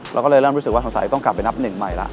เราก็เลยเริ่มรู้สึกว่าสงสัยต้องกลับไปนับหนึ่งใหม่แล้ว